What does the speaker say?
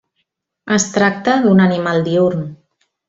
Es tracta d'un animal diürn.